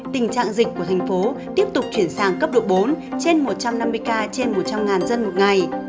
tình trạng dịch của thành phố tiếp tục chuyển sang cấp độ bốn trên một trăm năm mươi ca trên một trăm linh dân một ngày